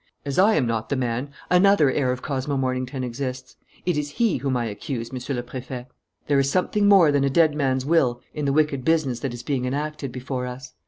As I am not the man, another heir of Cosmo Mornington exists. It is he whom I accuse, Monsieur le Préfet. "There is something more than a dead man's will in the wicked business that is being enacted before us.